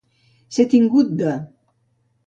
Ser tingut de.